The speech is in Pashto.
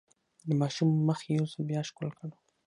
د ماشوم مخ يې يو ځل بيا ښکل کړ.